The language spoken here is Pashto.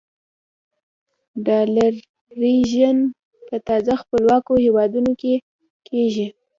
ډالرایزیشن په تازه خپلواکو هېوادونو کې کېږي.